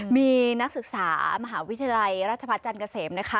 มีนักศึกษามหาวิทยาลัยราชพัฒนจันทร์เกษมนะคะ